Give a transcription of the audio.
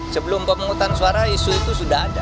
sebelum pemungutan suara isu itu sudah ada